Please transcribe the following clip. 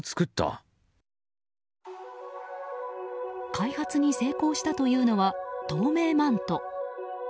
開発に成功したというのは透明マント。